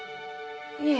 いえ。